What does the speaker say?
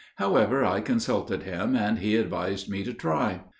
However, I consulted him, and he advised me to try.